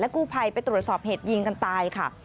กู้ภัยไปตรวจสอบเหตุยิงกันตายค่ะ